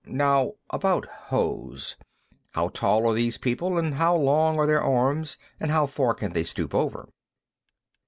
Now, about hoes; how tall are these people, and how long are their arms, and how far can they stoop over?"